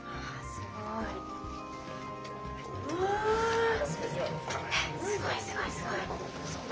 すごいすごいすごい。